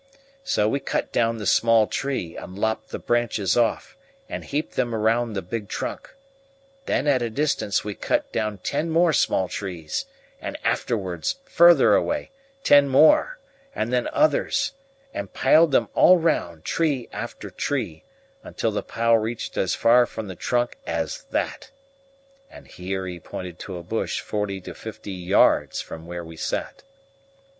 So we cut down the small tree and lopped the branches off and heaped them round the big trunk. Then, at a distance, we cut down ten more small trees, and afterwards, further away, ten more, and then others, and piled them all round, tree after tree, until the pile reached as far from the trunk as that," and here he pointed to a bush forty to fifty yards from where we sat.